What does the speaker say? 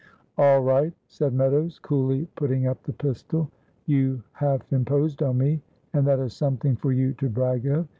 "All right," said Meadows, coolly putting up the pistol. "You half imposed on me, and that is something for you to brag of.